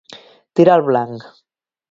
Tirar al blanc.